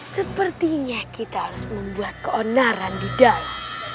sepertinya kita harus membuat keonaran di dalam